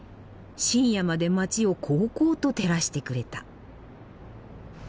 深夜まで街をこうこうと照らしてくれた。